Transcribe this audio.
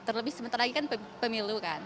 terlebih sebentar lagi kan pemilu kan